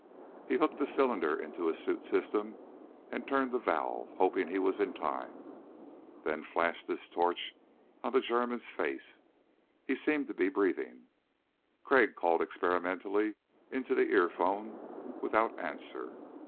He hooked the cylinder into his suit system and turned the valve, hoping he was in time, then flashed his torch on the German's face. He seemed to be breathing. Crag called experimentally into the earphone, without answer.